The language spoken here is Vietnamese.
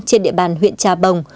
trên địa bàn huyện trà bồng